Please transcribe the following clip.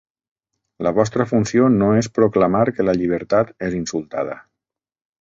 La vostra funció no és proclamar que la llibertat és insultada.